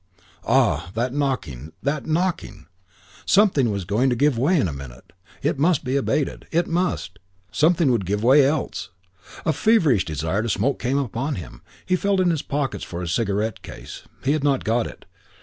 Ah, that knocking, that knocking! Something was going to give way in a minute. It must be abated. It must. Something would give way else. A feverish desire to smoke came upon him. He felt in his pockets for his cigarette case. He had not got it.